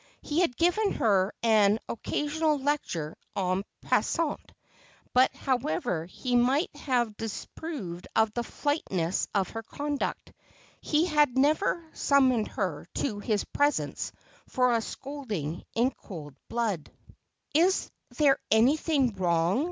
He had given her an occa sional lecture enpctfisant, but however he might have disapproved of the flightiness of her conduct, he had never summoned her to his presence for a scolding in cold blood. 360 As]phodel. ' Is there anything wrong